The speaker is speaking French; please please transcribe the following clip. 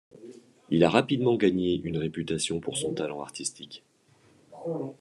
Il a rapidement gagné une réputation pour son talent artistique.